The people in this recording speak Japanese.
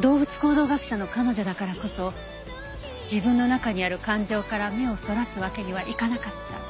動物行動学者の彼女だからこそ自分の中にある感情から目をそらすわけにはいかなかった。